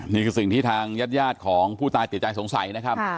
นี่คือสิ่งที่ทางญาติของผู้ตายติดใจสงสัยนะครับ